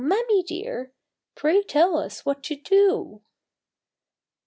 mammy dear, Pray tell us what to do